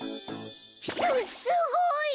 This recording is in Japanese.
すすごい！